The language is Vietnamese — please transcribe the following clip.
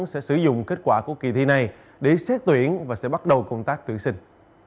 sẽ sử dụng kết quả của kỳ thi này để xét tuyển và sẽ bắt đầu công tác tuyển sinh